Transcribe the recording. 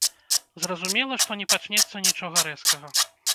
Зразумела, што не пачнецца нічога рэзкага.